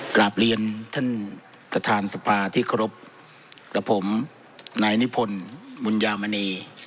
กลับเรียนท่านประธานสภาที่เคราบกระผงไหนนิพลมุญญามานี